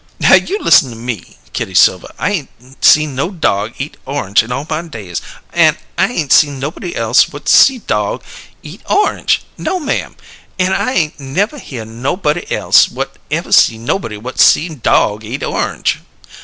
"Now you listen me!" said Kitty Silver. "I ain't see no dog eat orange in all my days, an' I ain't see nobody else whut see dog eat orange! No, ma'am, an' I ain't nev' hear o' nobody else whut ev' see nobody whut see dog eat orange!"